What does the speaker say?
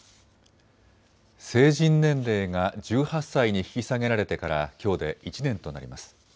成人年齢が１８歳に引き下げられてから、きょうで１年となります。